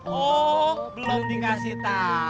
oh belum dikasih tau